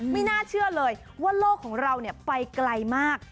ไม่น่าเชื่อเลยว่าโลกของเราไปไกลมาก